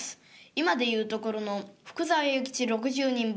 今で言うところの福沢諭吉６０人分。